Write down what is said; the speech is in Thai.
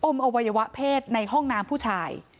อวัยวะเพศในห้องน้ำผู้ชาย